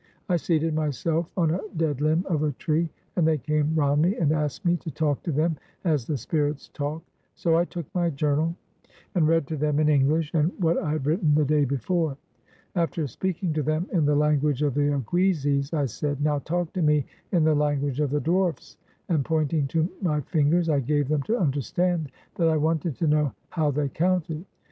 I seated myself on a dead limb of a tree, and they came round me and asked me to talk to them as the spirits talk. So I took my journal, and read to them in EngUsh what I had written the day before. After speaking to them in the language of the Oguizis, I said, "Now talk to me in the language of the dwarfs "; and, pointing to my fingers, I gave them to understand that I wanted to know how they counted.